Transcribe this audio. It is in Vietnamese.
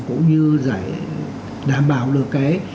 cũng như giải đảm bảo được cái